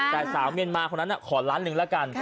แต่สาวเมียนมาคนนั้นขอล้านหนึ่งแล้วกัน